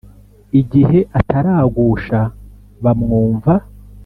Igihe ataragusha bamwumva,